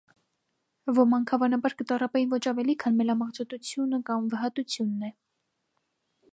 Ոմանք հաւանաբար կը տառապէին ոչ աւելի, քան մելամաղձոտութենէն կամ վհատութենէ։